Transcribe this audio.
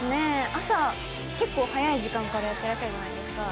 朝、結構早い時間からやってらっしゃるじゃないですか。